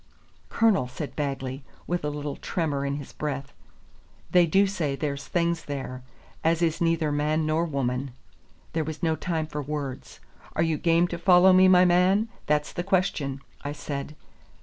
"Colonel," said Bagley, with a little tremor in his breath, "they do say there's things there as is neither man nor woman." There was no time for words. "Are you game to follow me, my man? that's the question," I said.